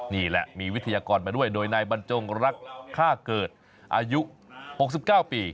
นี่แหละมีวิทยากรมาด้วยโดยนายบรรจงรักฆ่าเกิดอายุ๖๙ปี